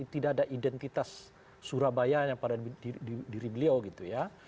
tidak ada identitas surabaya pada diri beliau gitu ya